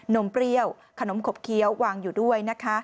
มเปรี้ยวขนมขบเคี้ยววางอยู่ด้วยนะคะ